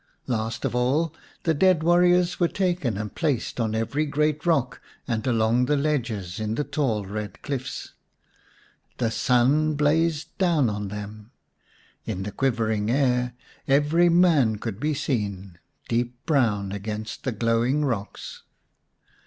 Last of all, the dead warriors were taken and placed on every great rock and along the ledges in the tall red cliffs. The sun blazed down on them ; in the quivering air every man could be seen, deep brown against the glowing rocks.